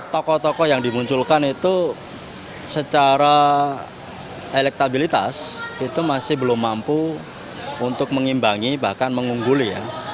tokoh tokoh yang dimunculkan itu secara elektabilitas itu masih belum mampu untuk mengimbangi bahkan mengungguli ya